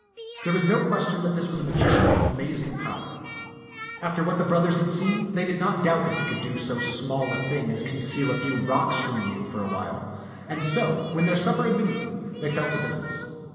There was no question that this was a magician of amazing power. After what the brothers had seen, they t^t ^xanU'm'8 t<xk 195 did not doubt that he could do so small a thing as conceal a few rocks from view for a while ; and so, when their supper had been eaten, they fell to busi ness.